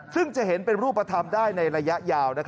ซึ่งจะเห็นเป็นรูปธรรมได้ในระยะยาว